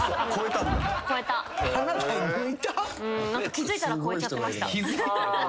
気付いたらこえちゃってました。